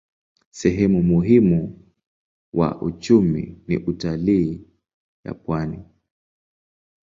Sehemu muhimu wa uchumi ni utalii ya pwani.